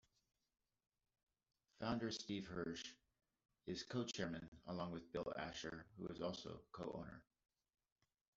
Founder Steven Hirsch is Co-Chairman, along with Bill Asher, who is also a Co-owner.